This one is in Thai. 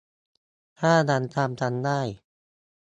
ถ้ายังจำกันได้